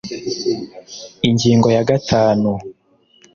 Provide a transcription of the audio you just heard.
ingingo ya gatanu